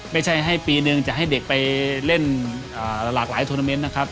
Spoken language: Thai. ไม่ใช่ให้ปีนึงจะให้เด็กไปเล่นหลากหลายโทรนาเมนต์นะครับ